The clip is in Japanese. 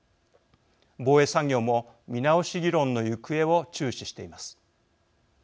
防衛産業も見直し議論の行方を注視しています。